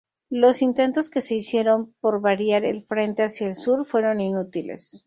Los intentos que se hicieron por variar el frente hacia el sur fueron inútiles.